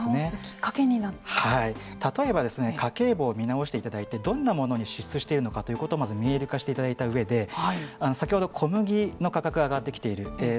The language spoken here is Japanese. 例えば家計簿を見直していただいてどんなものに支出しているのかということをまず見える化していただいた上で先ほど小麦の価格が上がっている。